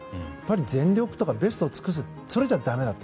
全力とかベストを尽くすそれじゃ、だめだと。